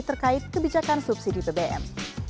terkait kebijakan subsidi bbm